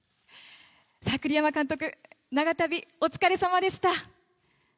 栗山監督長旅、お疲れさまでした。